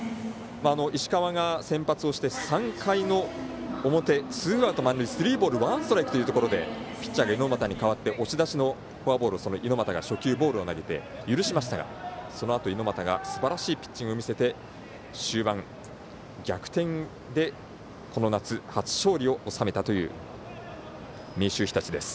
石川が先発をして３回の表ツーアウト満塁スリーボールワンストライクというところでピッチャーが猪俣に代わって押し出しのフォアボールをゆるしましたが、そのあと猪俣がすばらしいピッチングを見せて終盤、逆転でこの夏初勝利を収めたという明秀日立です。